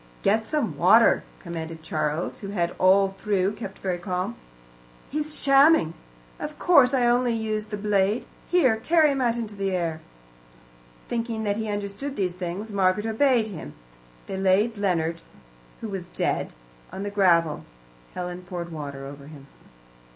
"Get some water," commanded Charles, who had all through kept very calm. "He's shamming. Of course I only used the blade. Here, carry him out into the air." Thinking that he understood these things, Margaret obeyed him. They laid Leonard, who was dead, on the gravel; Helen poured water over him.